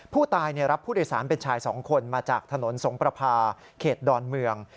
ผู้ตายรับผู้โดยสารเป็นชายสองคนมาจากถนนสงประพาเขตดอนเมือง